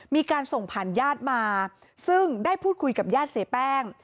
มีการส่งผ่านญาติมาซึ่งได้พูดคุยกับญาติเสียแป้ง